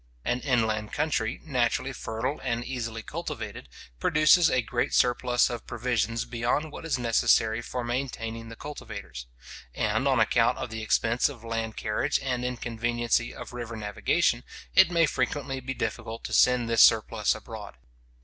An inland country, naturally fertile and easily cultivated, produces a great surplus of provisions beyond what is necessary for maintaining the cultivators; and on account of the expense of land carriage, and inconveniency of river navigation, it may frequently be difficult to send this surplus abroad.